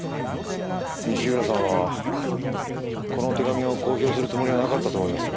西浦さんはこの手紙を公表するつもりはなかったと思いますよ。